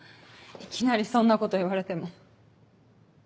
いきなりそんなこと言われても。